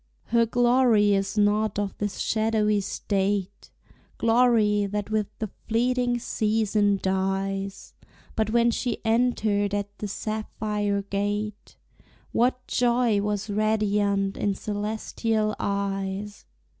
Her glory is not of this shadowy state, Glory that with the fleeting season dies; But when she entered at the sapphire gate What joy was radiant in celestial eyes!